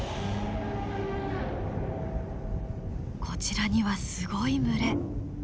こちらにはすごい群れ。